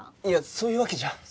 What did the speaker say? いやそういうわけじゃ。